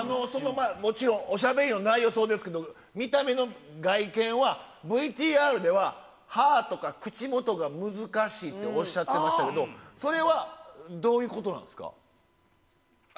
その、もちろん、おしゃべりの内容もそうですけれども、見た目の外見は、ＶＴＲでは、歯とか口元が難しいっておっしゃってましたけど、それはどういうことなんですか。